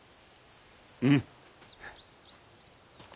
うん。